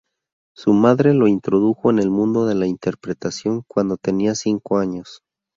Su madre lo introdujo en el mundo de la interpretación cuando tenía cinco años.